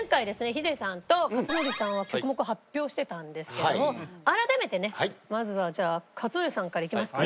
ヒデさんと克典さんは曲目を発表してたんですけども改めてねまずはじゃあ克典さんからいきますかね。